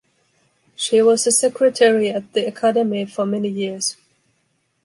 She was a secretary at the Academy for many years.